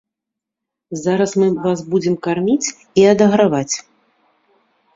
Зараз мы вас будзем карміць і адаграваць.